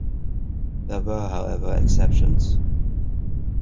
There were, however, exceptions.